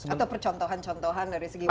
atau percontohan percontohan dari segi budaya